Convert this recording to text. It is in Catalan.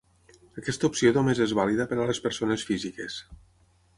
Aquesta opció només és vàlida per a les persones físiques.